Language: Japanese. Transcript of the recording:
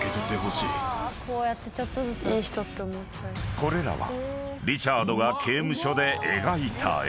［これらはリチャードが刑務所で描いた絵］